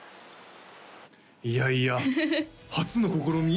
いやいや初の試み？